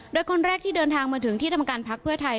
โดยคนแรกที่เดินทางมาถึงที่ทำการพักเพื่อไทย